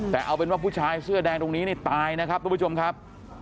แต่เอาเป็นว่าผู้ชายเสื้อแดงตรงนี้นี่ตายนะครับทุกผู้ชมครับ